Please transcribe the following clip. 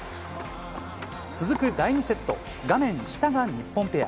続く第２セット、画面下が日本ペア。